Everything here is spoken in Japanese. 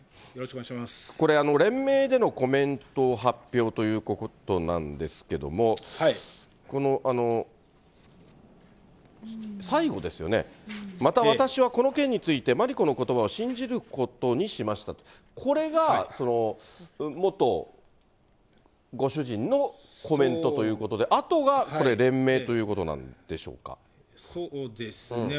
これ、連名でのコメントを発表ということなんですけども、最後ですよね、また私はこの件について、麻里子のことばを信じることにしましたと、これが元ご主人のコメントということで、あとがこれ、そうですね。